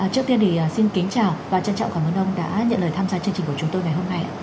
trước tiên thì xin kính chào và trân trọng cảm ơn ông đã nhận lời tham gia chương trình của chúng tôi ngày hôm nay